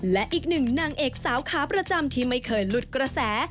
และอีกหนึ่งนางเอกสาวขาประจำที่ไม่เคยหลุดกระแส